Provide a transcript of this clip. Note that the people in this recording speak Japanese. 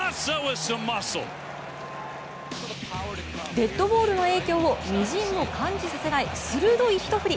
デッドボールの影響をみじんも感じさせない鋭い一振り。